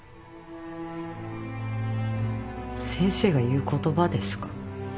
先生が言う言葉ですか？